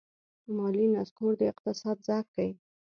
مالي نسکور د اقتصاد ضعف ښيي.